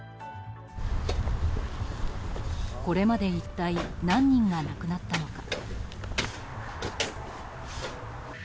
これまで一体何人が亡くなったのか。